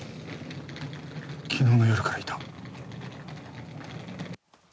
昨日の夜からいた。